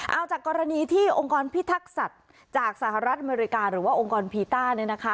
เอาจากกรณีที่องค์กรพิทักษัตริย์จากสหรัฐอเมริกาหรือว่าองค์กรพีต้า